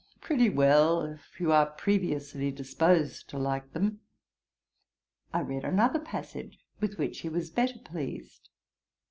'Pretty well, if you are previously disposed to like them.' I read another passage, with which he was better pleased.